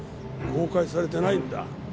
公開されてないんだ。